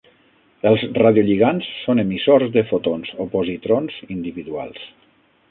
Els radiolligands són emissors de fotons o positrons individuals.